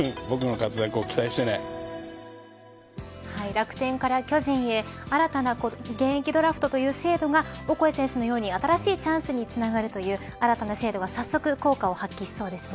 楽天から巨人へ新たな現役ドラフトという制度がオコエ選手のように新しいチャンスにつながるという新たな制度が早速、効果を発揮しそうですね。